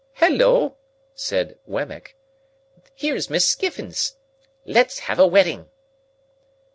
"Halloa!" said Wemmick. "Here's Miss Skiffins! Let's have a wedding."